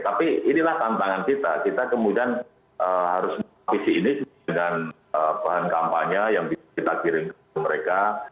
tapi inilah tantangan kita kita kemudian harus visi ini dengan bahan kampanye yang bisa kita kirim ke mereka